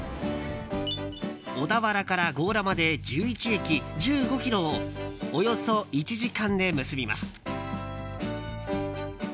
小田原から強羅まで１１駅１５ｋｍをおよそ１時間で結びます。